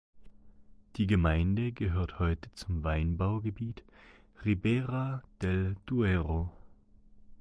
Die Gemeinde gehört heute zum Weinbaugebiet "Ribera del Duero".